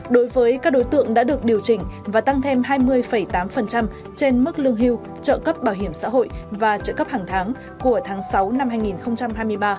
đối với các đối tượng đã được điều chỉnh và tăng thêm hai mươi tám trên mức lương hưu trợ cấp bảo hiểm xã hội và trợ cấp hàng tháng của tháng sáu năm hai nghìn hai mươi ba